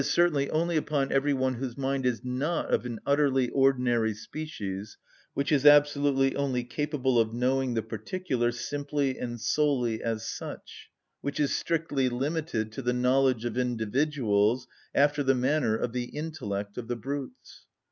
_, certainly only upon every one whose mind is not of an utterly ordinary species, which is absolutely only capable of knowing the particular simply and solely as such, which is strictly limited to the knowledge of individuals, after the manner of the intellect of the brutes.